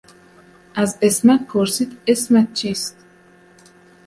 از عصمت پرسید اسمت چیست؟